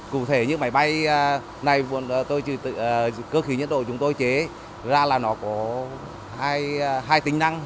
cụ thể những máy bay này cơ khí nhân độ chúng tôi chế ra là nó có hai tính năng